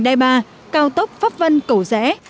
đai ba cao tốc pháp vân cổ rẽ